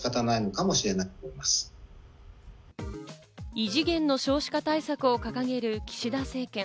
異次元の少子化対策を掲げる岸田政権。